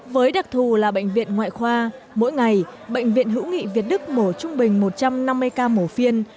với đặc thù là bệnh viện ngoại khoa mỗi ngày bệnh viện hữu nghị việt đức mổ trung bình một trăm năm mươi ca mổ phiên